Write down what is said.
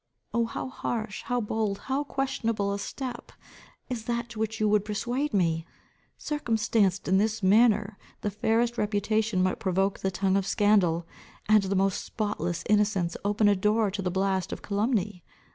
Oh, how harsh, how bold, how questionable a step, is that to which you would persuade me! Circumstanced in this manner, the fairest reputation might provoke the tongue of scandal, and the most spotless innocence open a door to the blast of calumny.